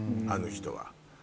あの人は。